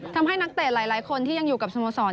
นักเตะหลายคนที่ยังอยู่กับสโมสร